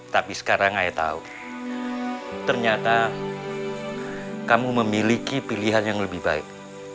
ternyata kamu memiliki pilihan yang lebih baik